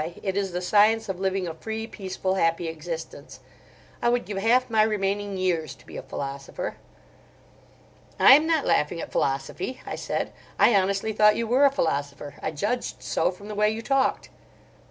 It is the science of living a free, peaceful, happy existence. I would give half my remaining years to be a philosopher." "I am not laughing at philosophy," I said. "I honestly thought you were a philosopher. I judged so from the way you talked."